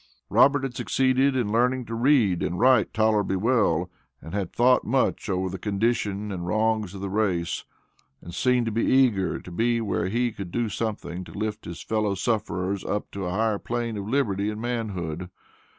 Robert had succeeded in learning to read and write tolerably well, and had thought much over the condition and wrongs of the race, and seemed to be eager to be where he could do something to lift his fellow sufferers up to a higher plane of liberty and manhood.